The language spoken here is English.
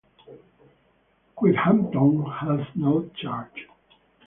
Quidhampton has no church.